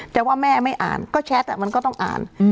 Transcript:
แต่ว่าแม่ไม่อ่านก็แชทมันก็ต้องอ่าน